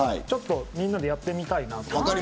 みんなでやってみたいな。